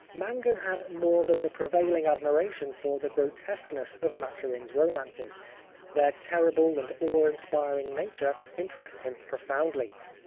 Mangan had more than the prevailing admiration for the grotesqueness of Maturin' s romances ; their terrible and awe inspiring nature impressed him profoundly.